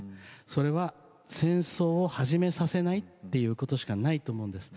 それは戦争を始めさせないということしかないと思うんです。